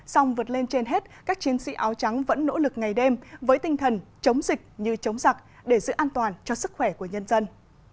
song vượt lên trên hết các chiến sĩ áo trắng vẫn nỗ lực ngày đêm với tinh thần chống dịch như chống giặc để giữ an toàn cho sức khỏe của nhân dân